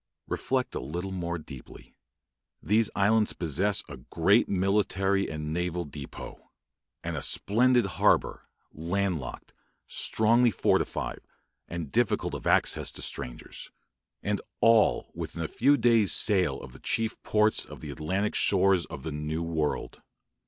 Reflect a little more deeply. These islands possess a great military and naval depôt; and a splendid harbour, landlocked, strongly fortified, and difficult of access to strangers; and all within a few days' sail of the chief ports of the Atlantic shores of the New World.